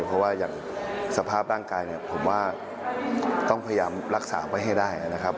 เพราะว่าอย่างสภาพร่างกายเนี่ยผมว่าต้องพยายามรักษาไว้ให้ได้นะครับ